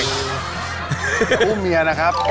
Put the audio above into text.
อย่าอุ้มเมียนะครับ